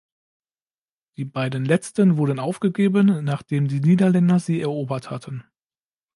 Die beiden letzten wurden aufgegeben, nachdem die Niederländer sie erobert hatten.